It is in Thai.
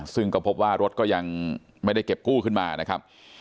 ซึ่งก็พบว่ารถก็ยังไม่ได้เก็บกู้ขึ้นมานะครับ